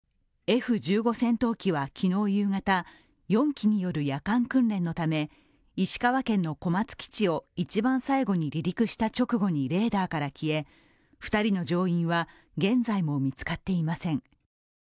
Ｆ１５戦闘機は昨日夕方、４機による夜間訓練のため石川県の小松基地を一番最後に離陸した直後にレーダーから消え２人の乗員は現在も見つかっていません。